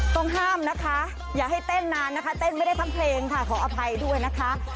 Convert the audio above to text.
ต้องห้ามนะคะอย่าให้เต้นนานนะคะเต้นไม่ได้ทั้งเพลงค่ะขออภัยด้วยนะคะ